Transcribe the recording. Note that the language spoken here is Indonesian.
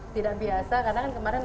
tidak biasa karena kan kemarin